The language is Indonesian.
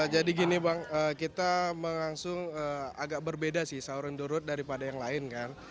jadi gini bang kita mengangsung agak berbeda sih sahur on the road daripada yang lain kan